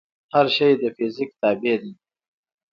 هر شی د فزیک تابع دی.